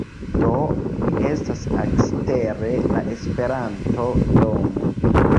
Do, ni estas ekster la Esperanto-domo